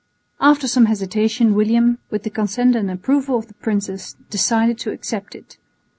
After some hesitation William, with the consent and approval of the princess, decided to accept it.